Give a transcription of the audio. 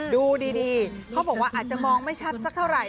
ดูดีเขาบอกว่าอาจจะมองไม่ชัดสักเท่าไหร่